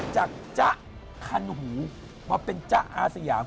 จากจ๊ะคันหูมาเป็นจ๊ะอาสยาม